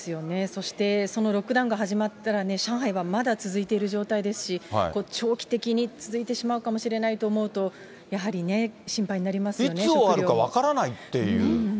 そして、そのロックダウンが始まったらね、上海はまだ続いてる状態ですし、長期的に続いてしまうかもしれないと思うと、やはりね、心配になりますよね、いつ終わるか分からないっていう。